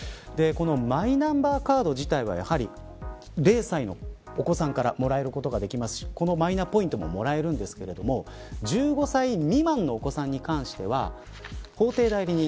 マイナンバーカード自体はやはり０歳のお子さんからもらえることができますしこのマイナポイントももらえるんですが１５歳未満のお子さんに関しては法定代理人。